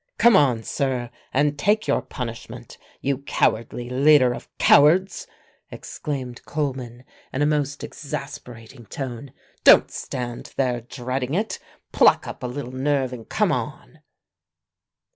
"Come on, sir, and take your punishment, you cowardly leader of cowards!" exclaimed Coleman in a most exasperating tone. "Don't stand there dreading it. Pluck up a little nerve and come on!"